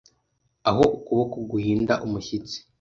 aho ukuboko guhinda umushyitsi